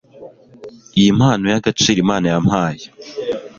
iyi mpano y'agaciro imana yampaye